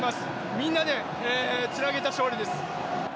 みんなでつなげた勝利です。